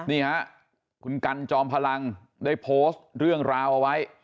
นี่ฮะคุณกันจอมพลังได้โพสต์เรื่องราวเอาไว้